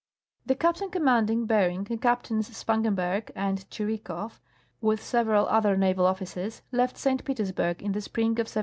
" The Captain Commanding Bering and Captains Spangenberg and Tschirikow, with several other naval officers, left St. Petersburg in the spring of 1733.